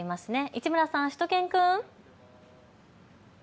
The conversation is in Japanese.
市村さん、しゅと犬くん。